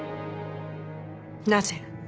なぜ？